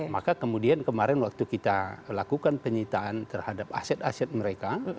maka kemudian kemarin waktu kita lakukan penyitaan terhadap aset aset mereka